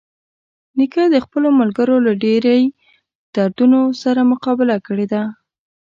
نیکه د خپلو خلکو له ډېرۍ دردونو سره مقابله کړې ده.